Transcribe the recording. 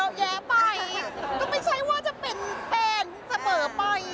ก็ไม่ใช่ว่าจะเป็นแปลงเสบ่อไป